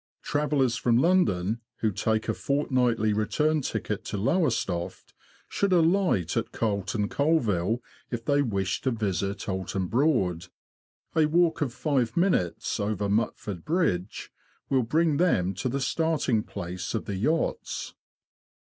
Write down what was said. Travellers from London who take a fortnightly return ticket to Lowestoft should alight at Carlton Colville if they wish to visit Oulton Broad. A walk of five minutes, over Mutford Bridge, will bring them to the starting place of the yachts.